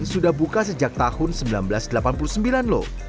sudah buka sejak tahun seribu sembilan ratus delapan puluh sembilan loh